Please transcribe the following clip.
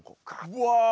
うわ！